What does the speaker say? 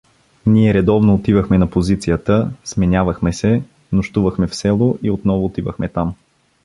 Ние редовно отивахме на позицията, сменявахме се, нощувахме в село и отново отивахме там.